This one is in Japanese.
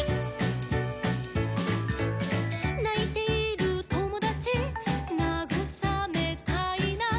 「ないているともだちなぐさめたいな」